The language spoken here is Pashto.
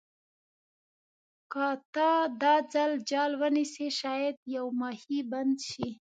که ته دا ځل جال ونیسې شاید یو ماهي بند شي.